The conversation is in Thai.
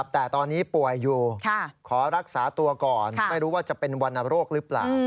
แต่ตอนนี้ป่วยอยู่ขอรักษาตัวก่อนไม่รู้ว่าจะเป็นวรรณโรคหรือเปล่า